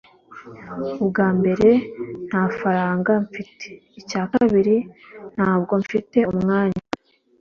ubwa mbere, nta faranga mfite. icya kabiri, ntabwo mfite umwanya